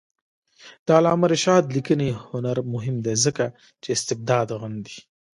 د علامه رشاد لیکنی هنر مهم دی ځکه چې استبداد غندي.